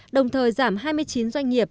đồng thời giảm hai mươi chín doanh nghiệp